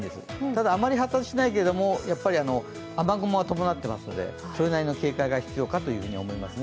ただあまり発達しないけども雨雲は伴ってますのでそれなりの警戒が必要かと思います。